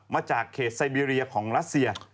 มาจากเขตไซเบีเรียของรัสเซีย